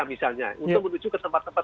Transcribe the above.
misalnya untuk menuju ke tempat tempat